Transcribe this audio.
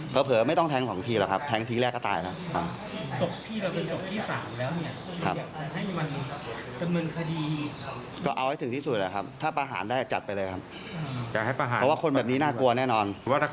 หรือว่าถ้าเขาบนโทษออกมาศพที่๔ที่๕มีแน่นอน